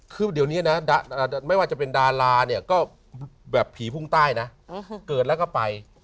คือเดี๋ยวนี้นะไม่ว่าจะเป็นดาราเนี่ยก็แบบผีพุ่งใต้นะเกิดแล้วก็ไป